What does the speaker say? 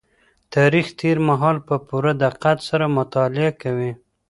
تاريخ تېر مهال په پوره دقت سره مطالعه کوي.